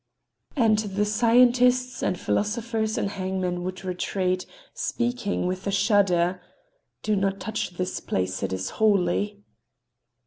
And the scientists and philosophers and hangmen would retreat, speaking—with a shudder: "Do not touch this place. It is holy."